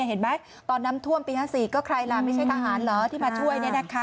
เห็นไหมตอนน้ำท่วมปี๕๔ก็ใครล่ะไม่ใช่ทหารเหรอที่มาช่วย